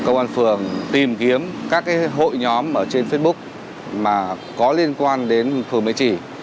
công an phường tìm kiếm các hội nhóm trên facebook mà có liên quan đến phường mễ trì